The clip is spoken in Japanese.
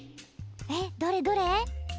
えっどれどれ？